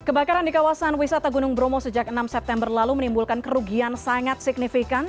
kebakaran di kawasan wisata gunung bromo sejak enam september lalu menimbulkan kerugian sangat signifikan